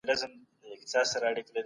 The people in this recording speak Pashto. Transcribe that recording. سياسي ژبه څنګه بايد وکارول سي؟